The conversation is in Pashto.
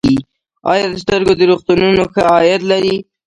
آیا د سترګو روغتونونه ښه عاید لري؟